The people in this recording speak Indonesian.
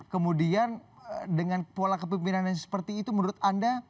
kemudian dengan pola kepimpinan yang seperti itu menurut anda